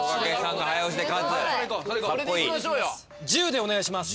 １０でお願いします。